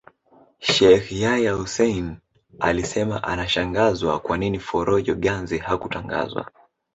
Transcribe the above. Sheikh Yahya Hussein alisema anashangazwa kwa nini Forojo Ganze hakutangazwa